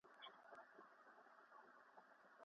که زده کوونکی مجازي پلان تعقیب کړي، وخت نه ضایع کېږي.